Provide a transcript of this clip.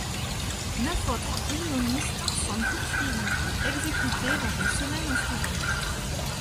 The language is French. Neuf autres unionistes sont poursuivis et exécutés dans les semaines suivantes.